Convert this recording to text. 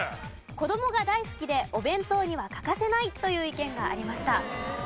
子どもが大好きでお弁当には欠かせないという意見がありました。